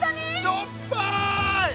しょっぱい！